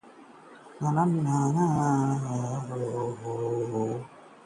मुंबई: नाबालिग लड़की पर चाकूओं से जानलेवा हमला